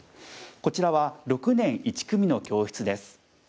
こちらは６年１組の教室です。